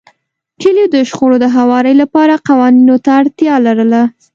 کلیو د شخړو د هواري لپاره قوانینو ته اړتیا لرله.